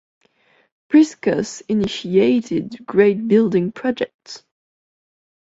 Priscus initiated great building projects.